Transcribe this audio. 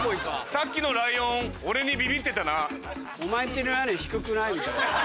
さっきのライオン俺にビビってたな。